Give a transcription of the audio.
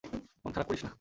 মন খারাপ করিস না।